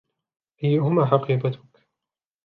أيهما حقيبتك ؟